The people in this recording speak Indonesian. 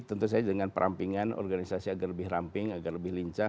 tentu saja dengan perampingan organisasi agar lebih ramping agar lebih lincah